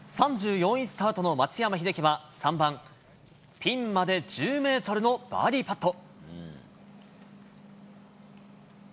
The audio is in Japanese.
３４位スタートの松山英樹は３番、ピンまで１０メートルのバーディーパット。